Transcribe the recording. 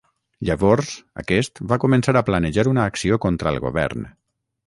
Llavors aquest va començar a planejar una acció contra el govern.